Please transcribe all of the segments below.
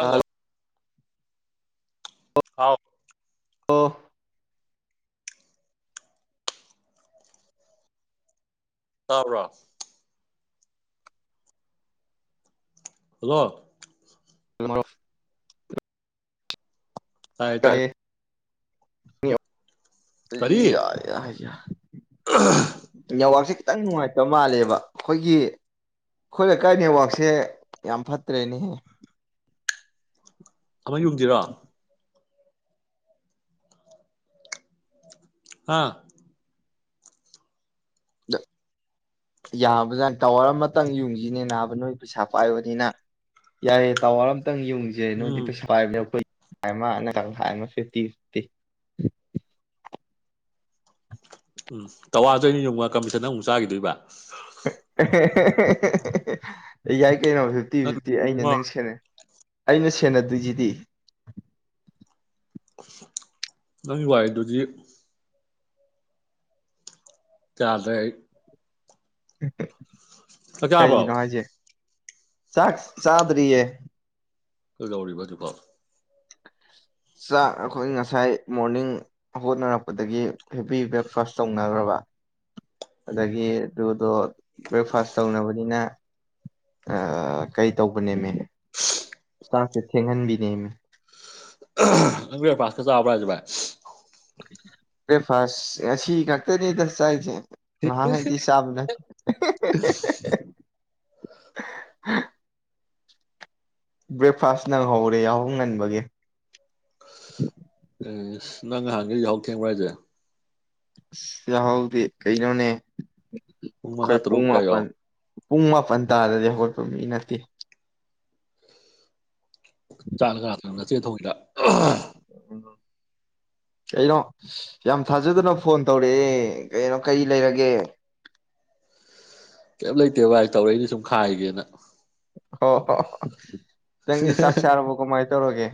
ꯑꯗꯨꯗꯣ ꯍꯜꯂꯣ ꯍꯥꯎ ꯑꯣꯥ ꯇꯥꯕ꯭ꯔꯣ ꯍꯜꯂꯣ ꯑꯗꯨ ꯇꯥꯌꯦ ꯇꯥꯌꯦ꯫ ꯀ꯫ [unintelligible] ꯌꯥ ꯀꯔꯤ ꯌꯥ ꯌꯥ ꯌꯥꯝ ꯅꯦꯇꯥꯑꯣꯔꯀ ꯁꯤ꯫ ꯈꯤꯇꯪ ꯅꯨꯡꯉꯥꯏꯇꯕ ꯃꯥꯜꯂꯦꯕ ꯑꯩꯈꯣꯏꯒꯤ ꯑꯩꯈꯣꯏ ꯂꯩꯀꯥꯏ ꯅꯦꯠꯋꯥꯛꯁꯦ ꯌꯥꯝ ꯐꯠꯇ꯭ꯔꯦꯅꯦꯍꯦ꯫ ꯑꯃ ꯌꯨꯡꯖꯤꯔꯣ꯫ ꯍꯥꯥ꯫ ꯌꯥꯕꯖꯥ ꯇꯥꯋꯔ ꯑꯃꯇꯪ ꯌꯨꯡꯁꯤꯅꯦ ꯅꯥꯕ ꯅꯣꯏ ꯄꯩꯁꯥ ꯄꯥꯏꯕꯅꯤꯅ ꯌꯥꯏꯦ ꯇꯥꯋꯥꯔ ꯑꯃ꯫ ꯈꯤꯇꯪ ꯌꯨꯡꯁꯦ ꯅꯣꯏꯗꯤ ꯎꯝ ꯄꯩꯁꯥ ꯄꯥꯏꯕꯅꯦ ꯑꯩꯈꯣꯏ꯫ ꯍꯥꯏꯃ ꯅꯠꯇ ꯍꯥꯏꯃ ꯐꯤꯐꯇꯤ ꯐꯤꯐꯇꯤ꯫ ꯎꯝ ꯇꯋꯥꯗꯣꯏꯅꯤ ꯌꯡꯉ ꯀꯝꯃꯤꯁꯟꯗ ꯑꯃꯨꯛ ꯆꯥꯈꯤꯗꯣꯏꯕ꯫ ꯌꯥ ꯌꯥꯏ꯫ ꯀꯩꯅꯣ ꯐꯤꯐꯇꯤ ꯅꯪ ꯐꯤꯐꯇꯤ ꯑꯩꯅ ꯏꯕꯨꯡꯉꯣ ꯅꯪ ꯁꯦꯅꯩ꯫ ꯑꯩꯅ ꯁꯦꯟꯅꯗꯣꯏꯁꯤꯗꯤ꯫ ꯅꯪꯃꯒꯤ ꯋꯥꯔꯤ ꯑꯗꯨꯗꯤ꯫ ꯆꯗ꯫ ꯍ꯫ [unintelligible] ꯆꯥꯛ ꯀꯩꯒꯤꯅꯣ ꯆꯥꯔꯕꯣ ꯍꯥꯏꯁꯦ꯫ ꯆꯥꯛ ꯆꯗꯔꯤꯌꯦ꯫ ꯀꯩ ꯗꯧꯔꯤꯕꯥ ꯍꯧꯖꯤꯛ ꯐꯥꯑꯣ꯫ ꯆꯥꯛ ꯑꯩꯈꯣꯏ ꯉꯁꯥꯏ ꯃꯣꯔꯅꯤꯡ ꯍꯣꯠꯅꯔꯛꯄꯗꯒꯤ ꯍꯦꯚꯤ ꯕ꯭ꯔꯦꯛꯐꯥꯁ ꯇꯧꯅꯈ꯭ꯔꯕ꯫ ꯑꯗꯒꯤ ꯑꯗꯨꯗꯣ ꯕ꯭ꯔꯦꯛꯐꯥꯁ ꯇꯧꯅꯕꯅꯤꯅ ꯀꯩ ꯇꯧꯕꯅꯦꯃꯦꯅꯦ ꯆꯥꯛꯁꯦ ꯊꯦꯡꯍꯟꯕꯤꯅꯦ ꯕꯤꯔꯦꯛ ꯐꯥꯁꯠꯀꯥ ꯆꯥꯕꯔꯣ ꯕꯥꯏ ꯕ꯭ꯔꯦꯛꯐꯥꯁ ꯑꯁꯤ ꯉꯥꯛꯇꯅꯤꯗꯁ ꯆꯥꯏꯁꯦ꯫ ꯅꯍꯥꯟ ꯈꯩꯗꯤ ꯆꯥꯕꯥ ꯅꯠꯇꯦ꯫ [unintelligible] ꯕ꯭ꯔꯦꯛꯐꯥꯁ ꯅꯪꯍꯧꯔꯦ ꯌꯥꯍꯣꯡ ꯉꯟꯕꯒꯤ꯫ ꯑꯦ ꯅꯪ ꯅꯍꯥꯟꯒ ꯌꯥꯍꯧ ꯊꯦꯡꯕ꯭ꯔ ꯍꯥꯏꯁꯦ꯫ ꯌꯥꯍꯥꯎꯗꯤ ꯀꯩꯅꯣꯅꯦ꯫ ꯃꯉꯥ ꯑꯩꯈꯣꯏ ꯄꯨꯡ ꯇꯔꯨꯛ ꯀꯥꯏꯌꯣ ꯃꯥꯄꯟ ꯄꯨꯡ ꯃꯥꯄꯟ꯫ ꯇꯥꯗꯗꯤ ꯍꯧꯒꯠꯄ ꯃꯤ ꯅꯠꯇꯦ꯫ ꯆꯥꯛ ꯅꯆꯦꯅ ꯊꯣꯡꯉꯤꯔꯣ꯫ ꯀꯩꯅꯣ ꯌꯥꯝ ꯊꯥꯖꯗꯅ ꯐꯣꯟ ꯇꯧꯔꯛꯑꯦ ꯀꯩꯅꯣ ꯀꯔꯤ ꯂꯩꯔꯒꯦ꯫ ꯀꯩꯝ ꯂꯩꯇꯦ ꯚꯥꯏ ꯇꯧꯔꯛꯏꯅꯤ ꯁꯨꯝ ꯈꯥꯏꯒꯦꯅ꯫ ꯍꯣꯏ ꯍꯣ ꯍꯣꯏ ꯅꯪꯗꯤ ꯆꯥꯛ ꯆꯥꯔꯕꯣ ꯀꯃꯥꯏꯅ ꯇꯧꯔꯒꯦ꯫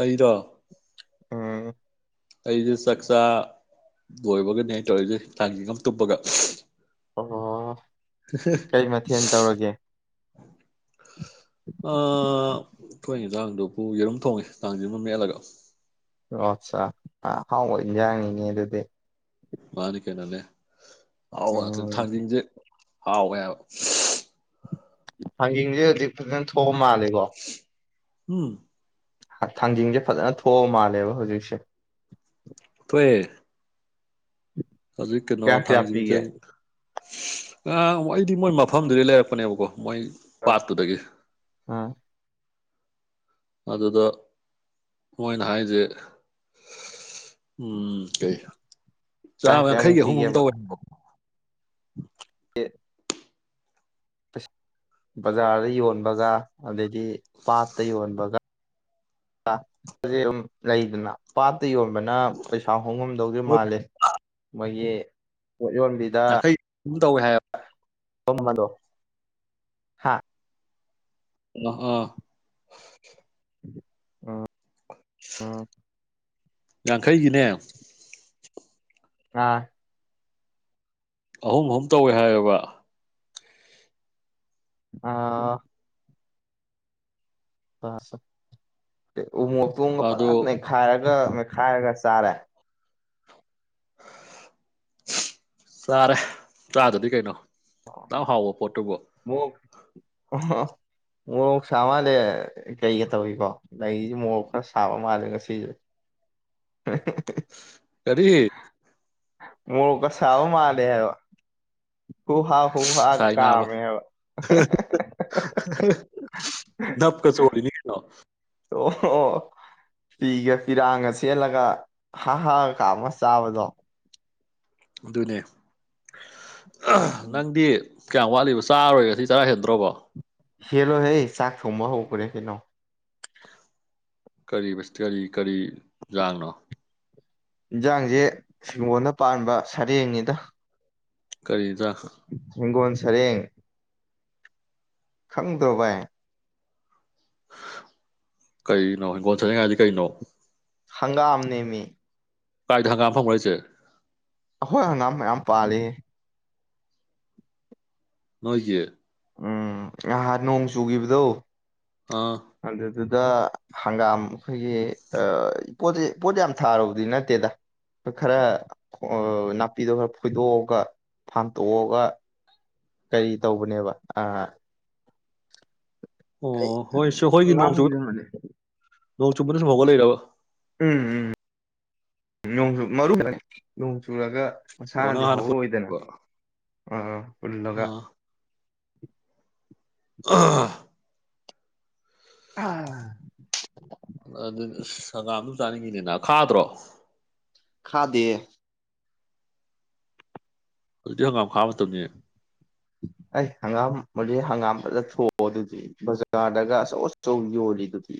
ꯑꯩꯗꯣ꯫ ꯎꯝ꯫ ꯑꯩꯁꯦ ꯆꯥꯛꯆꯥ ꯂꯣꯏꯕꯒꯅꯦ ꯑ ꯇꯧꯔꯤꯁꯦ ꯊꯥꯡꯖꯦꯡ ꯑꯃ ꯇꯨꯞꯄꯒ꯫ ꯑꯣ꯫ ꯀꯩ ꯃꯊꯦꯜ ꯇꯧꯔꯒꯦ꯫ ꯑꯥ ꯑꯩꯈꯣꯏ ꯍꯤꯡꯖꯥꯡꯗꯨꯕꯨ ꯌꯦꯔꯨꯝ ꯊꯣꯡꯉꯦ ꯇꯥꯖꯤꯡꯃ ꯃꯦꯠꯂꯒ ꯑꯣ ꯑꯠꯆꯥ ꯑ ꯍꯥꯎꯕ ꯏꯟꯖꯥꯡꯅꯤꯡꯅꯦ ꯑꯗꯨꯗꯤ ꯃꯥꯅꯤ ꯀꯩꯅꯣꯅꯦ ꯑꯍꯥꯎꯕ ꯉꯥꯛꯇꯅꯦ ꯎꯝ ꯊꯥꯡꯖꯤꯡꯖꯦ ꯍꯥꯎꯋꯦꯕ ꯊꯥꯡꯒꯡꯖꯦ ꯍꯧꯖꯤꯛ ꯐꯖꯅ ꯊꯣꯛꯑ ꯃꯥꯜꯂꯦꯀꯣ ꯎꯝ ꯊꯥꯡꯖꯤꯡꯁꯦ ꯐꯖꯅ ꯊꯣꯛꯑꯕ ꯃꯥꯜꯂꯦꯕ ꯍꯧꯖꯤꯛꯁꯦ [unintelligible] ꯍꯧꯖꯤꯛ ꯀꯦꯅꯣ ꯀꯌꯥ ꯀꯌꯥ ꯄꯤꯒꯦ ꯊꯥꯡꯖꯤꯡꯖꯦꯡ ꯑ ꯑꯩꯗꯤ ꯃꯣꯏ ꯃꯐꯝꯗꯨꯗꯩ ꯂꯩꯔꯛꯄꯅꯦꯕꯀꯣ ꯃꯣꯏ ꯄꯥꯠꯇꯨꯗꯒꯤ ꯎꯝ ꯑꯗꯨꯗ ꯃꯣꯏꯅ ꯍꯥꯏꯖꯦ ꯎꯝ ꯀꯩ ꯀꯌꯥ ꯆꯥꯝꯃ ꯀꯌꯥꯃꯨꯛ ꯌꯥꯡꯈꯩꯒꯤ ꯑꯍꯨꯝ ꯑꯍꯨꯝ ꯄꯤꯒꯦꯕ ꯇꯧꯋꯦ [inaudible] [unintelligible] [unintelligible] ꯕꯖꯥꯔꯗ ꯌꯣꯟꯕꯒ ꯑꯗꯩ ꯄꯥꯠꯇ ꯌꯣꯟꯕꯒ [unintelligible] ꯂꯩꯗꯅ ꯄꯥꯠ ꯇ ꯌꯣꯟꯕꯅ ꯄꯩꯁꯥ ꯍꯣꯡꯉꯝꯗꯧꯗꯤ ꯃꯣꯏ ꯃꯥꯜꯂꯤ ꯃꯣꯏꯒꯤ ꯄꯣꯠ ꯌꯣꯟꯕꯤꯗ ꯇꯈꯩ [inaudible] ꯇꯧꯋꯦ ꯍꯥꯏ [unintelligible] [unintelligible] ꯍꯥ ꯑ ꯑ [unintelligible] ꯌꯥꯡꯈꯩꯒꯤꯅꯦ ꯑꯥ ꯑꯍꯨꯝ ꯑꯍꯨꯝ ꯇꯧꯋꯦ ꯍꯥꯏꯑꯕ ꯑꯥ [unintelligible] ꯎ ꯃꯣꯛ ꯇꯨꯝꯒ ꯑꯗꯣ ꯐꯖꯟꯅ ꯅꯩꯈꯥꯏꯔ ꯃꯦꯠꯈꯥꯏꯔꯒ ꯆꯥꯔꯦ ꯆꯥꯔꯦ ꯆꯥꯗꯗꯤ ꯀꯩꯅꯣ ꯇ ꯍꯥꯎꯕ ꯄꯣꯠꯇꯕ ꯃꯣꯔꯣꯛ ꯃꯣꯔꯣꯛ ꯁꯥ ꯃꯥꯜꯂꯦ ꯀꯩꯒ ꯇꯧꯏꯀꯣ ꯂꯩꯒꯁꯦ ꯃꯣꯔꯣꯛ ꯈꯔ ꯁꯥꯕ ꯃꯥꯜꯂꯦ ꯉꯁꯤꯁꯦ ꯀꯔꯤ ꯃꯣꯔꯣꯛꯀ ꯁꯥꯕ ꯃꯥꯜꯂꯦ ꯍꯥꯏꯕ ꯍꯨ ꯍꯥ ꯍꯨ ꯍꯥꯒ ꯁꯥꯏ ꯅꯥꯕ ꯀꯥꯝꯃꯦ ꯍꯥꯏꯕ ꯅꯞꯀ ꯆꯣꯔꯤꯅꯤ ꯀꯩꯅꯣ ꯑꯣ ꯑꯣ ꯐꯤꯒ ꯐꯤꯔꯥꯡꯒ ꯁꯦꯂꯒ ꯍꯥ ꯍꯥꯒꯥ ꯀꯥꯃꯒꯥ ꯆꯥꯕꯗꯣ ꯑꯗꯨꯅꯦ ꯅꯡꯗꯤ ꯀꯌꯥꯝ ꯋꯥꯠꯂꯤꯕ ꯆꯥꯔꯣꯏꯒ ꯉꯥꯁꯤ ꯆꯔꯥ ꯍꯦꯟꯗ꯭ꯔꯣꯕꯣ ꯍꯂꯣ ꯍꯦ ꯆꯥꯛ ꯊꯣꯡꯕ ꯍꯧꯈꯔꯦ ꯀꯩꯅꯣ ꯀꯔꯤꯕꯥ ꯁꯇꯌ ꯀꯔꯤ ꯀꯔꯤ ꯖꯥꯡꯅꯪ ꯌꯦꯟꯁꯥꯡꯁꯦ ꯍꯤꯉꯣꯟꯗ ꯄꯥꯟꯕ ꯁꯔꯦꯡꯅꯤꯗ ꯀꯔꯤꯑꯦꯟꯖꯥꯡ ꯍꯤꯡꯒꯣꯜ ꯁꯔꯦꯡ ꯈꯡꯗꯔꯣ ꯕꯥꯏ ꯀꯩꯅꯣ ꯕꯥꯜ ꯁꯅꯥ ꯌꯥꯏ ꯍꯥꯏꯗꯤ ꯀꯩꯅꯣ ꯍꯡꯒꯥꯝꯅꯦ ꯃ ꯀꯥꯏꯗ ꯍꯡꯒꯥꯝ ꯍꯧꯕꯔꯥ ꯍꯥꯌꯁꯤ ꯑꯩꯍꯣꯏ ꯍꯡꯒꯥꯝ ꯃꯌꯥꯝ ꯄꯥꯜꯂꯤ ꯅꯣꯏꯒꯤ ꯑ ꯅꯍꯥꯟ ꯅꯣꯡ ꯆꯨꯒꯤꯕꯗꯣ ꯑꯥ ꯑꯗꯨ ꯗꯨ ꯗꯥ ꯍꯡꯒꯥꯝ ꯑꯩꯈꯣꯏꯒꯤ ꯄꯣꯠ ꯄꯣꯠ ꯌꯥꯝ ꯊꯥꯔꯨꯕꯗꯤ ꯅꯠꯇꯦꯗ ꯈꯔ ꯅꯥꯄꯤꯗꯣ ꯈꯔ ꯐꯣꯏꯗꯣꯛꯑꯒ ꯐꯥꯝꯇꯣꯛꯑꯒ ꯀꯔꯤ ꯇꯧꯕꯅꯦꯕ ꯑꯥ ꯑꯣ ꯍꯣꯏ [unintelligible] ꯅꯣꯛ ꯆꯨꯕꯔꯗꯥ ꯁꯨꯝ ꯍꯧꯒꯠꯂꯛꯏꯔ꯭ꯕ ꯎꯝ ꯎꯝ ꯅꯣꯡ ꯆꯨ ꯃꯔꯨ ꯅꯣꯡ ꯆꯨꯔꯒ ꯑꯣ ꯃꯁꯥꯅꯗꯤ ꯅꯪ ꯍꯥꯟꯅ ꯍꯧꯔꯑꯣꯏꯗꯅ ꯍꯨꯟꯕ ꯑꯥ ꯄꯨꯜꯂꯒ [unintelligible] [unintelligible] ꯑꯗꯨꯅꯤ ꯏꯁ ꯍꯉꯝꯕꯨ ꯆꯥꯅꯤꯡꯉꯤꯅꯤꯅ ꯈꯥꯗ꯭ꯔꯣ ꯈꯥꯗꯦꯌꯦ ꯍꯧꯖꯤꯛꯇꯤ ꯍꯡꯒꯥꯝ ꯈꯥꯕꯥ ꯃꯇꯝꯅꯤꯍꯦ ꯑꯩ ꯍꯡꯒꯥꯝ ꯍꯧꯛ ꯍꯡꯒꯥꯝ ꯐꯖ ꯊꯣꯛꯑꯣ ꯑꯗꯨꯗꯤ ꯕꯖꯥꯔꯗꯒ ꯑꯆꯧ ꯑꯆꯧ ꯌꯣꯜꯂꯤꯗꯨꯗꯤ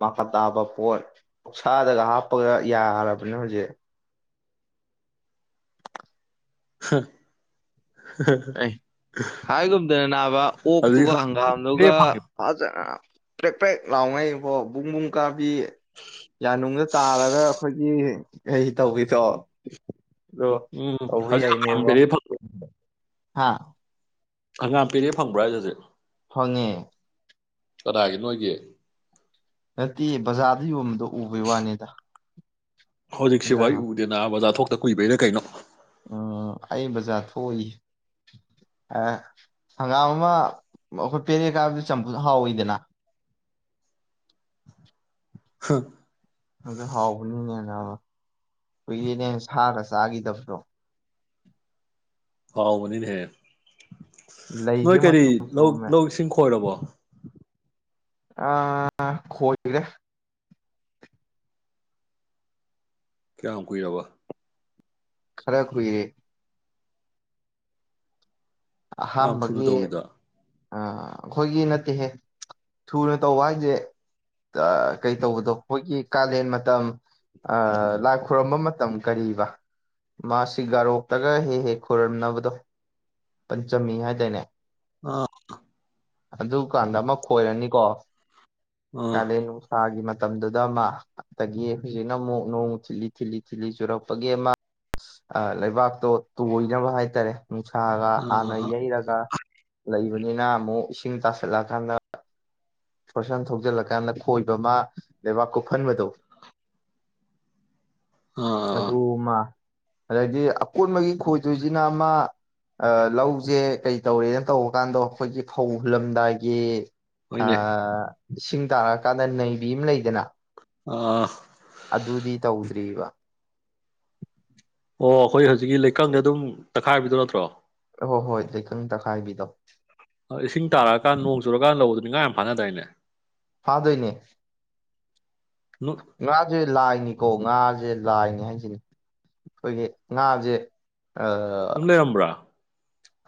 ꯃꯈꯥ ꯇꯥꯕ ꯄꯣꯠ ꯀꯧꯁꯥꯗꯒ ꯍꯥꯞꯄꯒ ꯌꯥꯔꯕꯅꯦ ꯍꯧꯖꯤꯛ ꯍꯥ ꯑꯦ ꯍꯥꯏꯒꯨꯝꯗꯅ ꯅꯥꯕ ꯑꯗꯨꯗꯤ ꯑꯣꯛꯇꯨꯒ ꯄꯦꯔꯦ ꯍꯡꯒꯥꯝꯗꯨꯒ ꯐꯪꯉꯦ ꯐꯖꯅ ꯄ꯭ꯔꯦꯛ ꯄ꯭ꯔꯦꯛ ꯂꯥꯎꯉꯩꯕꯣ ꯕꯨꯡ ꯕꯨꯡ ꯀꯥꯕꯤ ꯌꯥꯅꯨꯡꯗ ꯇꯥꯔꯒ ꯑꯩꯈꯣꯏꯒꯤ ꯀꯩ ꯇꯧꯕꯤꯗꯣ ꯎꯝ ꯍꯧꯖꯤꯛ [unintelligible] ꯍꯥꯥ ꯍꯪꯒꯥꯝ ꯄꯦꯔꯦ ꯐꯡꯕ꯭ꯔꯣ ꯍꯥꯢꯖꯦ ꯍꯧꯖꯤꯛ ꯐꯪꯉꯦ ꯀꯅꯥꯒꯤ ꯅꯣꯏꯒꯤ ꯅꯇꯦ ꯕꯖꯥꯔꯗ ꯌꯣꯟꯕꯗꯣ ꯎꯕꯩ ꯋꯥꯅꯤꯗ ꯍꯧꯖꯤꯛ ꯁꯤꯕꯨ ꯏꯟꯖꯥꯡ ꯑꯩ ꯎꯗꯦꯅꯥ ꯕꯥꯖꯥꯔ ꯊꯣꯛ ꯀꯨꯏꯕꯩꯔꯥ ꯀꯩꯅꯣ ꯎꯝ ꯑꯩ ꯕꯖꯥꯔ ꯊꯣꯛꯏ ꯍꯪꯒꯥꯝ ꯑꯃ ꯑꯩꯈꯣꯏ ꯄꯦꯔꯦ ꯀꯥꯏꯕꯗꯨ ꯆꯝꯐꯨꯠ ꯍꯥꯎꯋꯤꯗꯅ ꯍꯥ ꯑꯗꯨ ꯍꯥꯎꯕꯅꯤꯅꯦ ꯅꯥꯕ ꯀꯨꯏꯔꯦꯅꯦ ꯁꯥꯒ ꯆꯥꯒꯤꯗꯕꯗꯣ ꯍꯥꯎꯕꯅꯤꯅꯦꯍꯦ ꯅꯣꯏ ꯂꯩꯁꯦ ꯀꯔꯤ ꯃꯇꯨ ꯂꯧ ꯆꯣꯝꯃꯦ ꯂꯧ ꯁꯤꯡ ꯈꯣꯏꯔꯕꯣ ꯑ ꯈꯣꯏꯔꯦ ꯀꯌꯥꯝ ꯀꯨꯏꯔꯕ ꯈꯔ ꯀꯨꯏꯔꯦ ꯌꯥꯝ ꯊꯨꯅ ꯑꯍꯥꯟꯕꯒꯤ ꯇꯧꯋꯤꯗ ꯑ ꯑꯩꯈꯣꯏꯒꯤ ꯅꯠꯇꯦꯍꯦ ꯊꯨꯅ ꯇꯧꯕ ꯍꯥꯏꯖꯦ ꯀꯩ ꯇꯧꯕꯗꯣ ꯑꯩꯈꯣꯏꯒꯤ ꯀꯥꯂꯦꯟ ꯃꯇꯝ ꯂꯥꯏ ꯈꯨꯔꯝꯕ ꯃꯇꯝ ꯀꯔꯤꯕ ꯃꯥꯁꯤ ꯒꯥꯔꯣꯛꯇꯒ ꯍꯦꯛ ꯍꯦꯛ ꯈꯣꯏꯔꯝꯅꯕꯗꯣ ꯄꯟꯆꯝꯃꯤ ꯍꯥꯏꯗꯥꯢꯅꯦ ꯑꯥ ꯑꯗꯨꯀꯥꯟꯗ ꯑꯃ ꯈꯣꯏꯔꯅꯤꯀꯣ ꯑꯥ ꯀꯥꯂꯦꯟ ꯅꯨꯡꯁꯥꯥꯒꯤ ꯃ ꯇꯝꯗꯨꯗ ꯑꯃ ꯑꯗꯒꯤ ꯍꯧꯖꯤꯛꯅ ꯑꯃꯨꯛ ꯅꯣꯡ ꯊꯤꯂꯤ ꯊꯤꯠꯂꯤ ꯊꯤꯜꯂꯤ ꯆꯨꯔꯛꯄꯒꯤ ꯑꯃ ꯂꯩꯕꯥꯛꯇꯣ ꯇꯣꯏꯅꯕ ꯍꯥꯏꯇꯥꯔꯦ ꯅꯨꯡꯁꯥ ꯑꯥ ꯍꯥꯟꯅ ꯑꯥ ꯑꯥ ꯌꯩꯔꯒ ꯂꯩꯕꯅꯤꯅ ꯑꯃꯨꯛ ꯏꯁꯤꯡ ꯇꯥꯁꯜꯂꯛꯑꯀꯥꯟꯗ ꯐꯣꯔꯁꯟ ꯊꯧꯖꯤꯜꯂꯀꯥꯟꯗ ꯈꯣꯏꯕ ꯑꯃ ꯂꯩꯕꯥꯛ ꯀꯨꯞꯐꯟꯕꯗꯣ ꯑꯥ ꯑꯥ ꯑꯗꯨ ꯑꯃ ꯑꯗꯩꯗꯤ ꯑꯀꯣꯟꯕꯒꯤ ꯈꯣꯏꯗꯣꯏꯁꯤꯅ ꯑꯃ ꯂꯧꯖꯦ ꯀꯩꯇꯧꯔꯦꯅ ꯇꯧꯕ ꯀꯥꯟꯗꯣ ꯑꯩꯈꯣꯏꯒꯤ ꯐꯧ ꯍꯨꯜꯂꯝꯗꯥꯏꯒꯤ ꯍꯣꯏꯅꯦ ꯑꯥ ꯏꯁꯤꯡ ꯇꯥꯔꯛꯑꯀꯥꯟꯗ ꯅꯩꯕꯤ ꯑꯃ ꯂꯩꯗꯅ ꯑꯥ ꯑꯗꯨꯗꯤ ꯇꯧꯗ꯭ꯔꯤꯕ ꯑꯣ ꯑꯩꯈꯣꯏ ꯍꯧꯖꯤꯛꯀꯤ ꯂꯩꯀꯪꯗ ꯑꯗꯨꯝ ꯇꯛꯈꯥꯏꯕꯗꯨ ꯅꯠꯇ꯭ꯔꯣ ꯍꯣꯏ ꯍꯣꯏ ꯂꯩꯀꯪ ꯇꯛꯈꯥꯏꯕꯤꯗꯣ ꯐꯥꯅ ꯗꯥꯏꯅꯦ ꯐꯥꯗꯣꯏꯅꯦ ꯉꯥꯖꯦ ꯂꯥꯢꯅꯤ ꯀꯣ ꯉꯥꯖꯦ ꯂꯥꯏꯅꯦ ꯍꯥꯏꯁꯤꯅꯤ ꯑꯩꯈꯣꯏꯒꯤ ꯉꯥꯖꯦ ꯑꯥ ꯑꯗꯨꯝ ꯂꯩꯔꯝꯕ꯭ꯔꯥ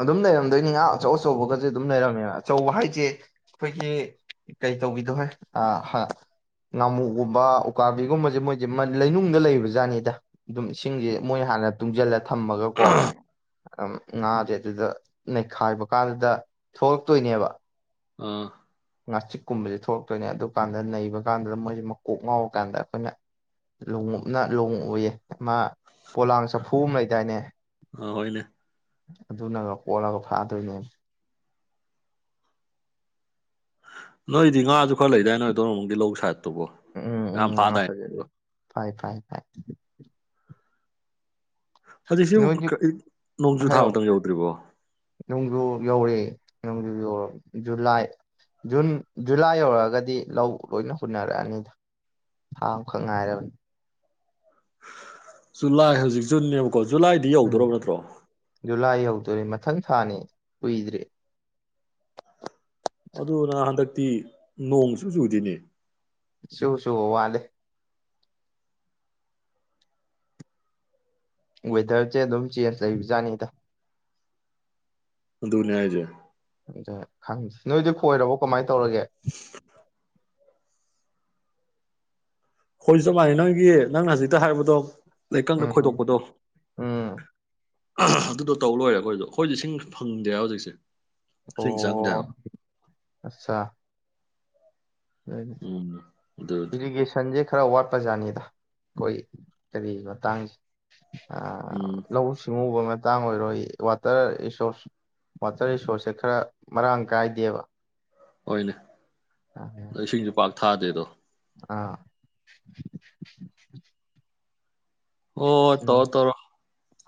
ꯑꯗꯨꯝ ꯂꯩꯔꯝꯗꯣꯏꯅꯤ ꯉꯥ ꯑꯆꯧ ꯑꯆꯧꯕꯒꯁꯦ ꯑꯗꯨꯝ ꯂꯩꯔꯝꯃꯦ ꯑꯆꯧꯕ ꯍꯥꯏꯁꯦ ꯑꯩꯈꯣꯏꯒꯤ ꯀꯩꯇꯧꯕꯤꯗꯣ ꯍꯣꯏ ꯉꯥꯃꯨꯒꯨꯝꯕ ꯎꯀꯥꯕꯤꯒꯨꯝꯕꯁꯦ ꯃꯣꯏꯁꯦ ꯂꯩꯅꯨꯡꯗ ꯂꯩꯕ ꯖꯥꯠꯅꯤꯗ ꯑꯗꯨꯝ ꯏꯁꯤꯡꯁꯦ ꯃꯣꯏꯅ ꯍꯥꯟꯅ ꯇꯨꯡꯁꯤꯜꯂ ꯊꯝꯃꯒ ꯀꯣ ꯑꯝ ꯉꯥꯁꯦ ꯑꯗꯨꯗ ꯅꯩꯈꯥꯏꯕ ꯀꯥꯟꯗꯨꯗ ꯊꯣꯛꯂꯛꯇꯣꯏꯅꯦꯕ ꯑꯥ ꯉꯥꯆꯤꯛꯀꯨꯝꯕꯁꯦ ꯊꯣꯛꯂꯛꯇꯣꯏꯅꯦ ꯑꯗꯨꯀꯥꯟꯗ ꯅꯩꯕ ꯀꯥꯟꯗꯨꯗ ꯃꯣꯏꯁꯦ ꯃꯀꯣꯛ ꯉꯥꯎꯔꯀꯥꯟꯗ ꯑꯩꯈꯣꯏꯅ ꯂꯨꯉꯞꯅ ꯂꯨꯉꯎꯌꯦ ꯃꯥ ꯄꯣꯂꯥꯡ ꯆꯐꯨ ꯑꯃ ꯂꯩꯗꯥꯏꯅꯦ ꯑ ꯍꯣꯏꯅꯦ ꯑꯗꯨꯅꯒ ꯀꯣꯜꯂꯒ ꯐꯥꯗꯣꯏꯅꯦ ꯅꯣꯏꯗꯤ ꯉꯥꯁꯨ ꯈꯔ ꯂꯩꯗꯥꯏ ꯅꯣꯏ ꯑꯗꯣꯝ ꯂꯣꯝꯒꯤ ꯂꯧ ꯁꯥꯥꯏꯠ ꯎꯝ ꯎꯝ ꯉꯥ ꯇꯔꯦꯠꯅꯦ ꯐꯥꯏ ꯐꯥꯏ ꯐꯥꯏ ꯍꯧꯖꯤꯛ ꯁꯤꯕꯨꯨꯛ ꯅꯣꯏꯗꯤ ꯅꯣꯡꯖꯨ ꯊꯥ ꯃꯇꯝ ꯍꯥꯏꯌꯣ ꯌꯧꯗ꯭ꯔꯤꯕꯣ ꯅꯣꯡꯖꯨ ꯌꯧꯔꯦ ꯅꯣꯡꯖꯨ ꯌꯧ ꯖꯨꯂꯥꯏ ꯖꯨꯟ ꯖꯨꯂꯥꯏ ꯌꯧꯔꯛꯑꯒꯗꯤ ꯂꯧ ꯂꯣꯏꯅ ꯍꯨꯟꯅꯔꯛꯑꯅꯤꯗ ꯊꯥ ꯑꯃꯈꯛ ꯉꯥꯏꯔꯕꯅꯤ ꯆꯨꯂꯥꯏꯑ ꯍꯧꯖꯤꯛ ꯖꯨꯜꯅꯤꯕ ꯀꯣ ꯖꯨꯂꯥꯏꯗꯤ ꯌꯧꯗ꯭ꯔꯕ ꯅꯠꯇ꯭ꯔꯣ ꯇꯨꯔꯦ ꯃꯊꯪ ꯊꯥꯅꯦ ꯀꯨꯏꯗ꯭ꯔꯦ ꯑꯗꯨꯅ ꯍꯟꯗꯛꯇꯤ ꯅꯣꯡꯁꯨ ꯆꯨꯗꯅꯦ ꯁꯨ ꯁꯨ ꯋꯥꯂꯦ ꯋꯦꯗꯔꯁꯦ ꯑꯗꯨꯝ ꯆꯦꯁ ꯂꯩꯕꯖꯥꯠꯅꯤꯗ ꯑꯗꯨꯅꯦ ꯍꯥꯏꯖꯦ ꯈꯪꯗꯦ ꯅꯣꯏꯗꯤ ꯈꯣꯏꯔꯕꯣ ꯀꯃꯥꯏꯅ ꯇꯧꯔꯒꯦ ꯍꯣꯏꯁꯨ ꯆꯞ ꯃꯥꯟꯅꯩ ꯅꯪꯒꯤ ꯅꯪꯅ ꯍꯧꯖꯤꯛꯇ ꯍꯥꯏꯕꯗꯣ ꯂꯩꯀꯪꯅ ꯎꯝ ꯈꯣꯏꯗꯣꯛꯄꯗꯣ ꯎꯝ ꯑꯗꯨꯗꯣ ꯇꯧ ꯂꯣꯏꯔꯦ ꯑꯩꯈꯣꯏꯗꯣ ꯑꯩꯈꯣꯏꯗꯤ ꯏꯁꯤꯡ ꯐꯪꯗꯦ ꯍꯧꯖꯤꯛꯁꯦ ꯏꯁꯤꯡ ꯆꯪꯗꯦ ꯍꯥꯏꯕ ꯑꯣ ꯑꯆꯥ ꯎꯝ ꯑꯗꯨꯕꯨꯗꯤ ꯏꯔꯤꯒꯦꯁꯟꯖꯦ ꯈꯔ ꯋꯥꯠꯄꯖꯥꯠꯅꯤꯗ ꯑꯩꯈꯣꯏ ꯀꯔꯤ ꯃꯇꯥꯡꯁꯦ ꯑ ꯎꯝ ꯂꯥꯎ ꯁꯤꯡ ꯎ ꯕ ꯃꯠ ꯃꯇꯥꯡ ꯑꯣꯏꯔꯣꯏ ꯋꯥꯇꯔ ꯔꯤꯁꯣꯔꯁ ꯋꯥꯇꯔ ꯔꯤꯁꯣꯔꯁꯁꯦ ꯈꯔ ꯃꯔꯥꯡ ꯀꯥꯏꯗꯦꯕ ꯍꯣꯏꯅꯦ ꯑ ꯏꯁꯩ ꯄꯥꯡ ꯊꯥꯗꯦꯗꯣ ꯑꯥ ꯑꯣ ꯎꯝ ꯇꯧꯔꯣꯇꯧꯔꯣ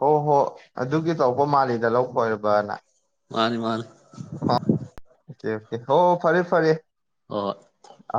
ꯍꯣ ꯍꯣ ꯑꯗꯨꯒꯤ ꯇꯧꯕ ꯃꯥꯜꯂꯤꯗ ꯂꯧꯈꯣꯏꯔꯕꯅ ꯃꯥꯅꯤ ꯃꯥꯅꯤ [unintelligible] ꯍ ꯐꯔꯦ ꯐꯔꯦ ꯍꯣꯏ ꯍꯣꯏ ꯑ